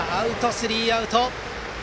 スリーアウト。